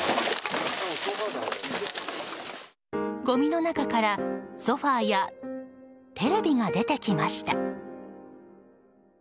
ごみの中からソファやテレビが出てきました。